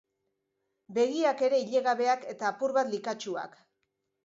Begiak ere ilegabeak eta apur bat likatsuak.